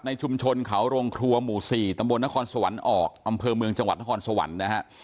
ชุมชนเขาโรงครัวหมู่๔ตำบลนครสวรรค์ออกอำเภอเมืองจังหวัดนครสวรรค์นะฮะ